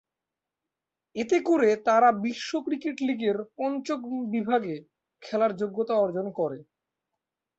এতে করে তারা বিশ্ব ক্রিকেট লীগের পঞ্চম বিভাগে খেলার যোগ্যতা অর্জন করে।